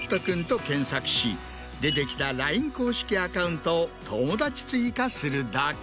出てきたＬＩＮＥ公式アカウントを友だち追加するだけ。